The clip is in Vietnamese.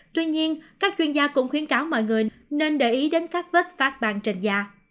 tuy nhiên các chuyên gia cũng khuyến cáo mọi người nên để ý đến các vết phát ban trên da